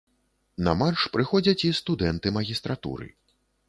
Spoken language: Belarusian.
На марш прыходзяць і студэнты магістратуры.